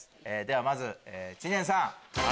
まず知念さん。